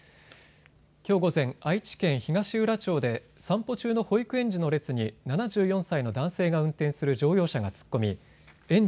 きょう午前、愛知県東浦町で散歩中の保育園児の列に７４歳の男性が運転する乗用車が突っ込み園児